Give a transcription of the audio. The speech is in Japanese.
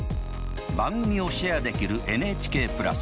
番組をシェアできるＮＨＫプラス。